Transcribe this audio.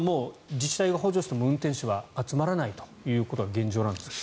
自治体が補助しても運転手は集まらないということが現状ですか。